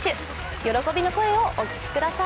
喜びの声をお聞きください。